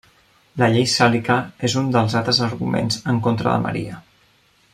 La llei sàlica és un dels altres arguments en contra de Maria.